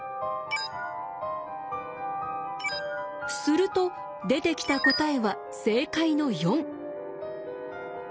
すると出てきた答えは正解の４。